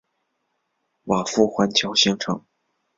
瓦夫环礁形成。